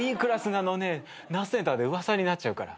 ナースセンターで噂になっちゃうから。